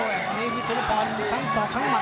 ตอนนี้พี่สุนิบพรบอลคั้นศอกต้องมัด